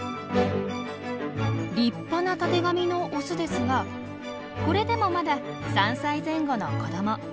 立派なたてがみのオスですがこれでもまだ３歳前後の子ども。